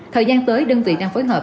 thời gian tới đơn vị đang phối hợp